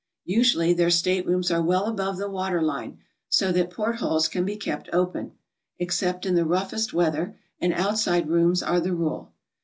Usually their staterooms are well above the water line, so that port holes can be kept open, except in the rough est weather, and outside rooms are the rule.